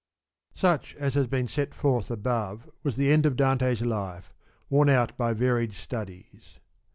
SI SUCH as has been set forth above was the end of Dante's life, worn out by varied studies.